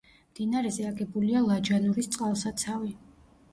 მდინარეზე აგებულია ლაჯანურის წყალსაცავი.